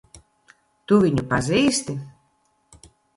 Tu viņu pazīsti?